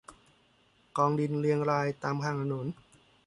กองดินเรียงรายตามข้างถนน